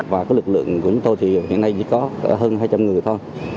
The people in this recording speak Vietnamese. và lực lượng của chúng tôi thì hiện nay chỉ có hơn hai trăm linh người thôi